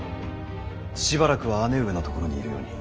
しばらくは姉上のところにいるように。